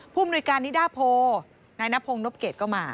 ผู้มนุษยการนิดาโพนายนัพงนบเกตก็มา